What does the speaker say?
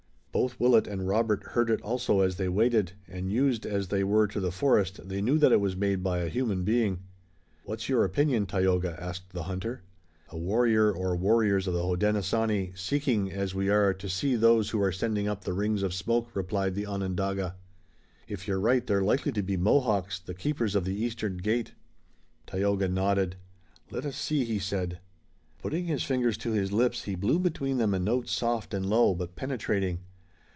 Both Willet and Robert heard it also as they waited, and used as they were to the forest they knew that it was made by a human being. "What's your opinion, Tayoga?" asked the hunter. "A warrior or warriors of the Hodenosaunee, seeking, as we are, to see those who are sending up the rings of smoke," replied the Onondaga. "If you're right they're likely to be Mohawks, the Keepers of the Eastern Gate." Tayoga nodded. "Let us see," he said. Putting his fingers to his lips, he blew between them a note soft and low but penetrating.